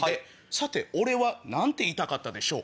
さて俺は何て言いたかったでしょう？